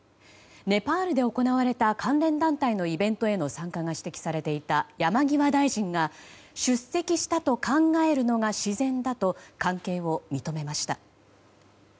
ネパールで行われた関連団体のイベントへの参加が指摘されていた山際大臣が出席したと考えるのが自然だと関係を認めました。